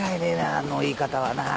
あの言い方はな。